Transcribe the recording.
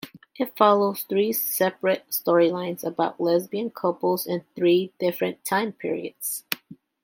It follows three separate storylines about lesbian couples in three different time periods.